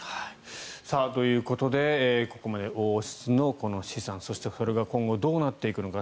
ということで、ここまで王室の資産そしてそれが今後どうなっていくのか。